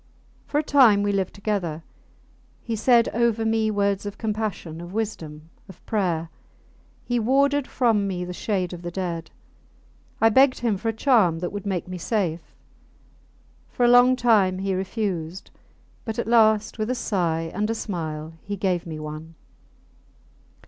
For a time we lived together. He said over me words of compassion, of wisdom, of prayer. He warded from me the shade of the dead. I begged him for a charm that would make me safe. For a long time he refused; but at last, with a sigh and a smile, he gave me one.